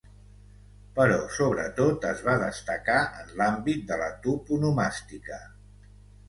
Però sobretot es va destacar en l’àmbit de la toponomàstica.